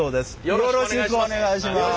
よろしくお願いします。